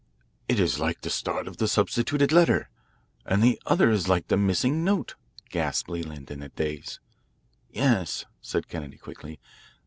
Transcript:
"It is like the start of the substituted letter, and the other is like the missing note," gasped Leland in a daze. "Yes," said Kennedy quickly.